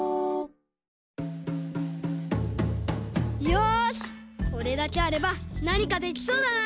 よしこれだけあればなにかできそうだな。